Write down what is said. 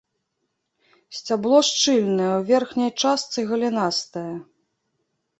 Сцябло шчыльнае, у верхняй частцы галінастае.